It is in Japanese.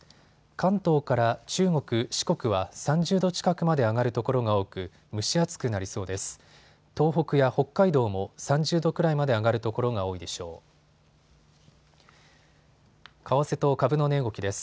関東から中国、四国は３０度近くまで上がる所が多く蒸し暑くなりそうです。